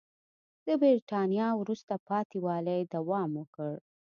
د برېټانیا وروسته پاتې والي دوام وکړ.